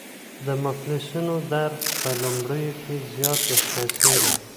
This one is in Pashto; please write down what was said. د مفصلونو درد په لومړیو کې زیات احساسېږي.